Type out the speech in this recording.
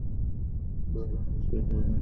বাহিরে অবস্থিত ঐ গাছটিকে ধরা যাক।